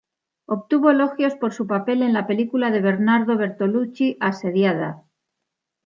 Obtuvo elogios por su papel en la película de Bernardo Bertolucci "Asediada".